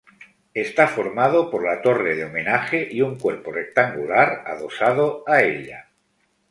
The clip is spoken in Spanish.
Está formado por la torre de homenaje y un cuerpo rectangular adosado a ella.